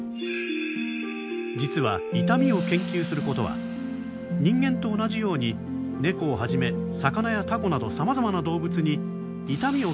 実は痛みを研究することは人間と同じようにネコをはじめ魚やタコなどさまざまな動物に痛みを嫌う「感情」